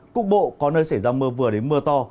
cục bộ có nơi xảy ra mưa vừa đến mưa to